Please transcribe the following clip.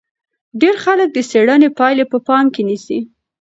ډېر خلک د څېړنې پایلې په پام کې نیسي.